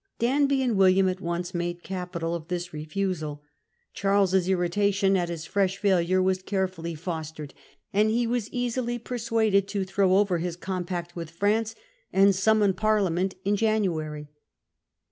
Danby and William at once made capital of this refusal. Charles's irritation at his fresh failure was care fully fostered ; and he was easily persuaded to throw over his compact with France and summon Parliament in January.